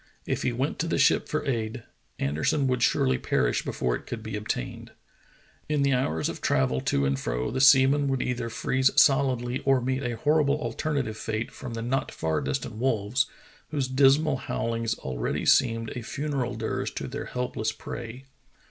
If he went to the ship for aid, Anderson would surely perish before it could be obtained. In the hours of travel to and fro the seaman would either freeze solidly or meet a horrible alterna tive fate from the not far distant wolves, whose dismal bowlings already seemed a funeral dirge to their helpless prey.